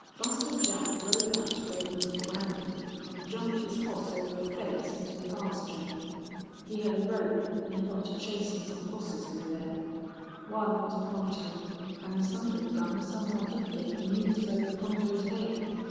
Buster Jack rode out to where we was brandin' an' jumped his hoss over a fence into the pasture. He hed a rope an' he got to chasin' some hosses over thar. One was Pronto, an' the son of a gun somehow did git the noose over Pronto's head.